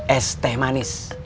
es teh manis